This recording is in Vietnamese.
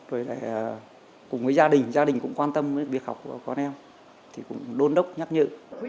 rồi lại cùng với gia đình gia đình cũng quan tâm việc học của con em thì cũng đôn đốc nhắc nhở